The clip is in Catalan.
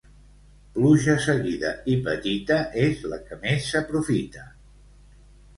Pluja seguida i petita és la que més s'aprofita.